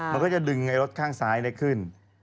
มันก็จะดึงรถข้างสายไปขึ้น